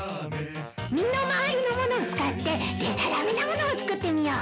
身の回りのものを使ってでたらめなものを作ってみよう。